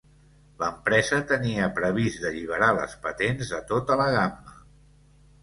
L'empresa tenia previst d'alliberar les patents de tota la gamma.